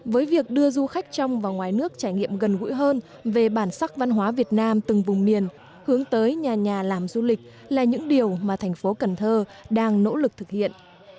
với việc đưa du khách trong và ngoài nước trải nghiệm gần gũi hơn về bản sắc văn hóa việt nam từng vùng miền hướng tới nhà nhà làm du lịch là những điều mà thành phố cần thơ đang nỗ lực thực hiện